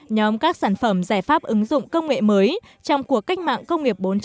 nhóm các sản phẩm giải pháp ứng dụng công nghệ mới trong cuộc cách mạng công nghiệp bốn